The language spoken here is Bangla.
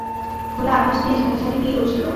খোলা আকাশ দিয়ে ঝাঁকে ঝাঁকে তীর উড়ছিল।